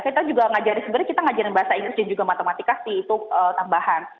kita juga ngajarin sebenarnya kita ngajarin bahasa inggris dan juga matematika sih itu tambahan